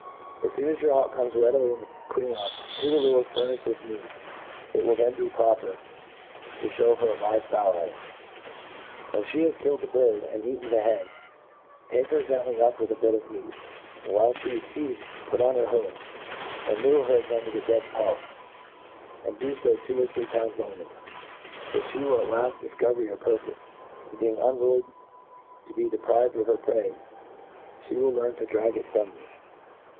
As foon as your hawk comes readily in the creance to the lure furnifhed with meat, it wili then be proper to (hew her a live fowl at it* When Ihe has killed the bird, and eaten the head, take her gently up with a bit of meat, and, while flie is feeding, put on her hoodr Then lure her again to the dead pelt, and do fo two or three times only ; for fhe will at laft difqover your pur pofe, and, being unwilling to be deprived of her prey, fhe will learn to drag it frpm you.